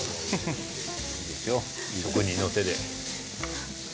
いい職人の手で。